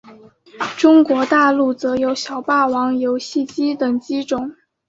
中国大陆则有小霸王游戏机等机种。